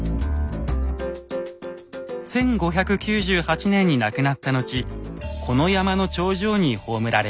１５９８年に亡くなった後この山の頂上に葬られました。